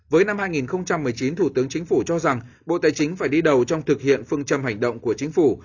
với năm hai nghìn một mươi chín thủ tướng chính phủ cho rằng bộ tài chính phải đi đầu trong thực hiện phương châm hành động của chính phủ